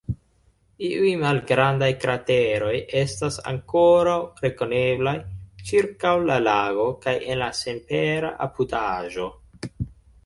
Iuj malgrandaj krateroj estas ankoraŭ rekoneblaj ĉirkaŭ la lago kaj en la senpera apudaĵo.